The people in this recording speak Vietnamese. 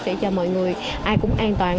để cho mọi người ai cũng an toàn